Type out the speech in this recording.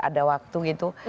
ada waktu gitu